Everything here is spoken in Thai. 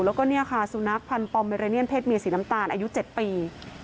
แล้วก็เนี่ยค่ะสุนัขพันธ์ปอมเมราเนียนเพศเมียสีน้ำตาลอายุ๗ปี